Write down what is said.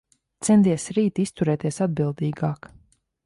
Centies rīt izturēties atbildīgāk.